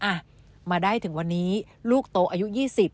อ่ะมาได้ถึงวันนี้ลูกโตอายุ๒๐